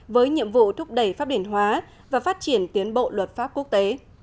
với nhiệm vụ thúc đẩy pháp điển hóa và phát triển tiến bộ luật pháp quốc tế